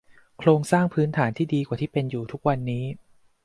โครงสร้างพื้นฐานที่ดีกว่าที่เป็นอยู่ทุกวันนี้